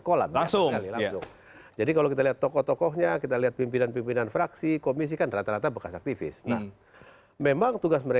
kolam langsung jadi kalau kita lihat tokoh tokohnya kita lihat pimpinan pimpinan fraksi komisikan rata